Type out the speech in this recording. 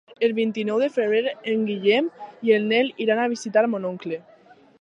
El vint-i-nou de febrer en Guillem i en Nel iran a visitar mon oncle.